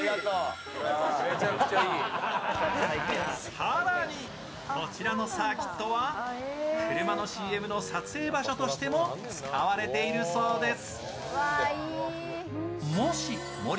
更に、こちらのサーキットは車のＣＭの撮影場所としても使われているそうです。